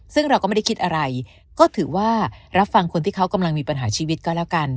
ซึ่งเราก็ไม่ได้คิดอะไรก็ถือว่ารับฟังคนที่เขากำลังมีปัญหาชีวิตก็แล้วกัน